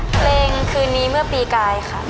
เพลงคืนนี้เมื่อปีกายค่ะ